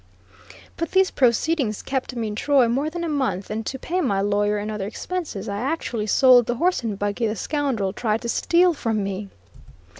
But these proceedings kept me in Troy more than a month, and to pay my lawyer and other expenses, I actually sold the horse and buggy the scoundrel tried to steal from me.